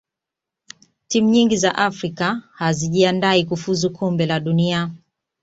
timu nyingi za afrika hazijiandai kufuzu kombe la dunia